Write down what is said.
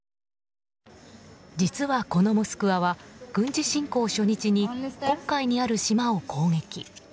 実は、この「モスクワ」は軍事侵攻初日に黒海にある島を攻撃。